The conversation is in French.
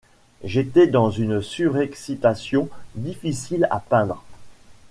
J’étais dans une surexcitation difficile à peindre.